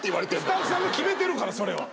スタッフさんが決めてるから。